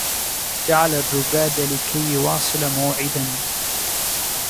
جعل الرقاد لكي يواصل موعدا